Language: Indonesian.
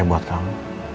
ini buat kamu